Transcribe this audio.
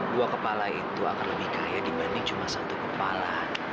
dua kepala itu akan lebih kaya dibanding cuma satu kepala